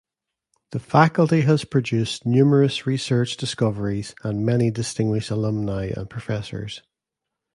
The Faculty has produced numerous research discoveries and many distinguished alumni and professors.